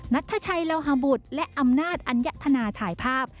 นัทชัยโลฮาบุตรและอำนาจอัญญธนาถ่ายภาพ